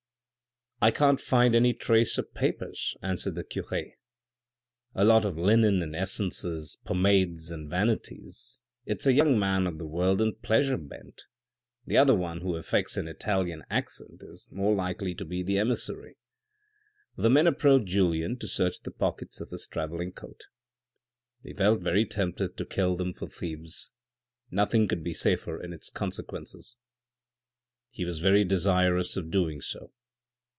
" I can't find any trace of papers," answered the cure. " A lot of linen and essences, pommades, and vanities. It's a young man of the world on pleasure bent. The other one who effects an Italian accent is more likely to be the emissary." The men approached Julien to search the pockets of his travelling coat. He felt very tempted to kill them for thieves. Nothing could be safer in its consequences. He was very desirous of doing so